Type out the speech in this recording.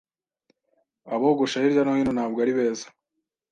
Abogosha hirya no hino ntabwo ari beza.